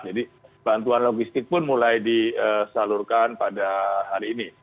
jadi bantuan logistik pun mulai disalurkan pada hari ini